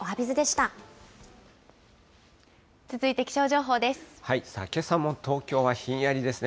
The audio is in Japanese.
続いて気象情報です。